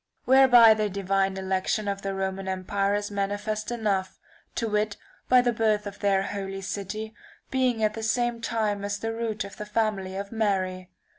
Whereby the divine election of the Roman empire is manifest enough ; to wit by the birth of the holy city being at the same time as the root of the family of Mary.